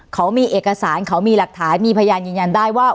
เขามีเอกสารเขามีหลักฐานมีพยานยืนยันได้ว่า